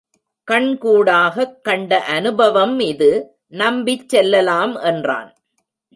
கண் கூடாகக் கண்ட அனுபவம் இது நம்பிச் செல்லலாம் என்றான்.